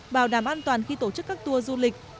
bảo đảm an toàn khi tổ chức các tour du lịch